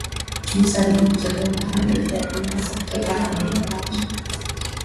msaada unaotolewa na Abu Dhabi hasa kutokana na mapato